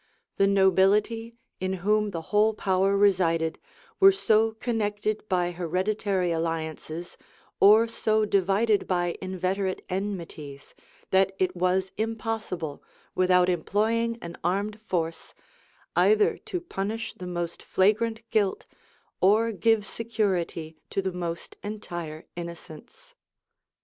The nobility, in whom the whole power resided, were so connected by hereditary alliances, or so divided by inveterate enmities, that it was impossible, without employing an armed force, either to punish the most flagrant guilt, or give security to the most entire innocence.